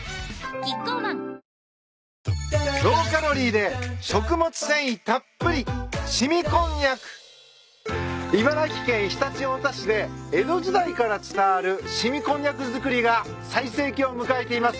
キッコーマン茨城県常陸太田市で江戸時代から伝わる凍みこんにゃく作りが最盛期を迎えています。